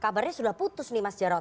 kabarnya sudah putus nih mas jarod